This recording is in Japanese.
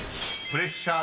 プレッシャー］